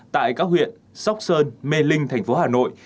tại các huyện sóc sơn mê linh tp hà nội